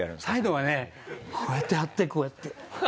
サイドはねこうやって貼ってこうやって。